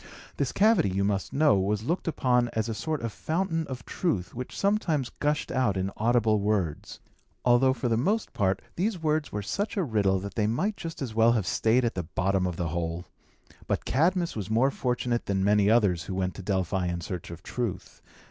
This cavity, you must know, was looked upon as a sort of fountain of truth, which sometimes gushed out in audible words; although, for the most part, these words were such a riddle that they might just as well have stayed at the bottom of the hole. But Cadmus was more fortunate than many others who went to Delphi in search of truth.